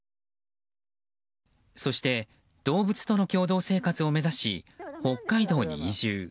そして、動物との共同生活を目指し北海道に移住。